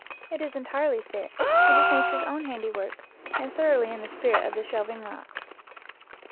It is entirely fit. It is Nature's own handi work, and thoroughly in the spirit of the shelving rocks.